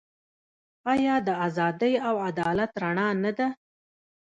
آیا د ازادۍ او عدالت رڼا نه ده؟